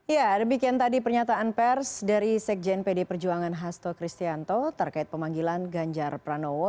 ya demikian tadi pernyataan pers dari sekjen pd perjuangan hasto kristianto terkait pemanggilan ganjar pranowo